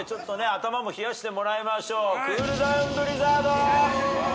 頭も冷やしてもらいましょう。